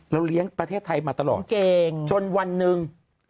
เลี้ยงประเทศไทยมาตลอดจนวันหนึ่ง